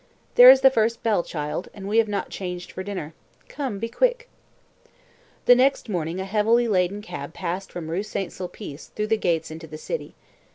"There is the first bell, child, and we have not changed for dinner. Come, be quick." The next morning a heavily laden cab passed from the Rue St. Sulpice through the gates into the city.